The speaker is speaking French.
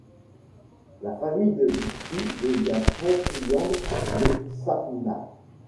La famille de Vicky devient très friande de Sapna.